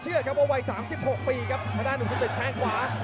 เสียหลังไปเอง